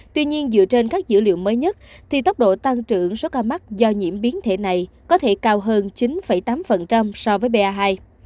tuy nhiên dựa trên các dữ liệu mới nhất thì tốc độ tăng trưởng số ca mắc do nhiễm biến thể này có thể cao hơn chín tám so với ba hai